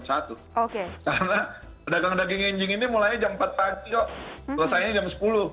karena pedagang daging nging nging ini mulainya jam empat pagi kok selesainya jam sepuluh